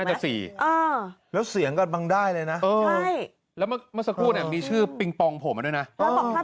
คลิป๓คนจ้าบ้างแล้วมีคนถ่ายคลิปอีกคนหนึ่ง